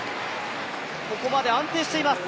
ここまで安定しています。